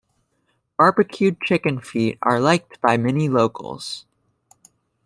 Barbecued chicken feet are liked by many locals.